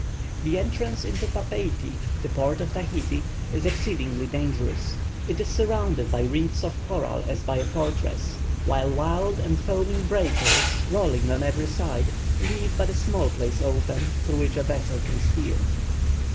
The entrance into Papeiti, the port of Tahiti, is exceedingly dangerous; it is surrounded by reefs of coral as by a fortress, while wild and foaming breakers, rolling on every side, leave but a small place open through which a vessel can steer.